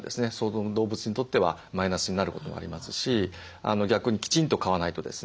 動物にとってはマイナスになることがありますし逆にきちんと飼わないとですね